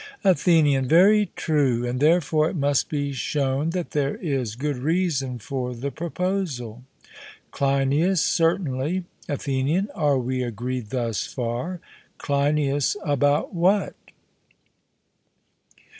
ATHENIAN: Very true; and therefore it must be shown that there is good reason for the proposal. CLEINIAS: Certainly. ATHENIAN: Are we agreed thus far? CLEINIAS: About what?